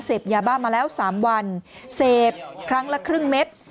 ยาบ้ามาแล้ว๓วันเสพครั้งละครึ่งเม็ด